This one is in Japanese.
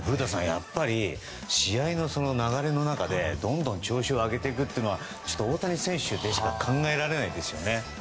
やっぱり試合の流れの中でどんどん調子を上げていくのは大谷選手でしか考えられないですよね。